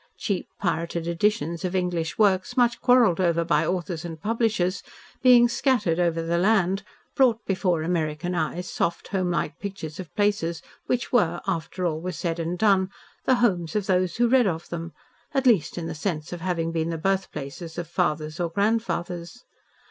Cheap, pirated editions of English works, much quarrelled over by authors and publishers, being scattered over the land, brought before American eyes soft, home like pictures of places which were, after all was said and done, the homes of those who read of them, at least in the sense of having been the birthplaces of fathers or grandfathers.